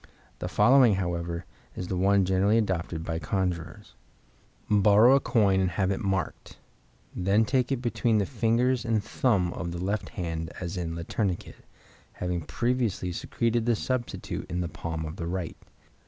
The following, however, is the one generally adopted by conjurers: Borrow a coin and have it marked. Then take it between the fingers and thumb of the left hand, as in "Le Tourniquet", having previously secreted the substitute in the palm of the right.